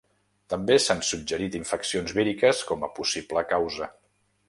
També s'han suggerit infeccions víriques com a possible causa.